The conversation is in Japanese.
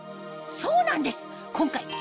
そうなんです！